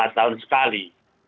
lima tahun sekali